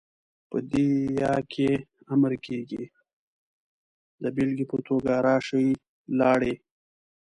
په دې ئ کې امر کيږي، دا بيلګې په توګه ، راشئ، لاړئ،